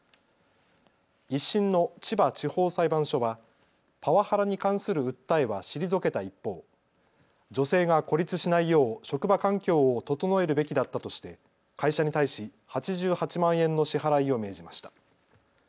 １審の千葉地方裁判所はパワハラに関する訴えは退けた一方、女性が孤立しないよう職場環境を整えるべきだったとして会社に対し８８万円の支払いを命じました。